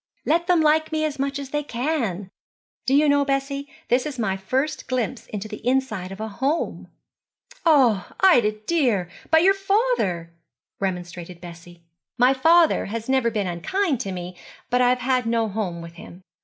'Let them like me as much as they can. Do you know, Bessie, this is my first glimpse into the inside of a home!' 'Oh, Ida, dear, but your father,' remonstrated Bessie. 'My father has never been unkind to me, but I have had no home with him.